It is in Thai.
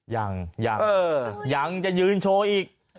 ยังยังจะยืนโชว์อีก